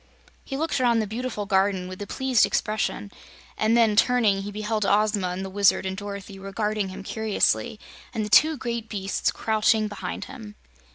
He looked around the beautiful garden with a pleased expression, and then, turning, he beheld Ozma and the Wizard and Dorothy regarding him curiously and the two great beasts crouching behind them.